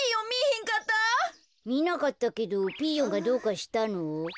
みなかったけどピーヨンがどうかしたの？